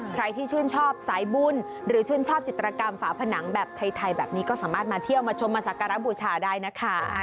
ใครที่ชื่นชอบสายบุญหรือชื่นชอบจิตรกรรมฝาผนังแบบไทยแบบนี้ก็สามารถมาเที่ยวมาชมมาสักการะบูชาได้นะคะ